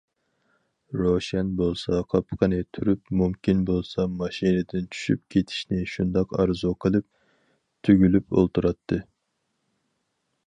روشەن بولسا قاپىقىنى تۈرۈپ، مۇمكىن بولسا ماشىنىدىن چۈشۈپ كېتىشنى شۇنداق ئارزۇ قىلىپ، تۈگۈلۈپ ئولتۇراتتى.